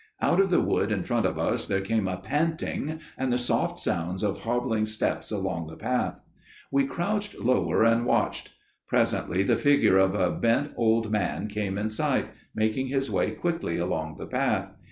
"Out of the wood in front of us there came a panting, and the soft sounds of hobbling steps along the path. We crouched lower and watched. Presently the figure of a bent old man came in sight, making his way quickly along the path.